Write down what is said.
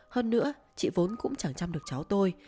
hơn nữa chị vốn cũng chẳng chăm được cháu tôi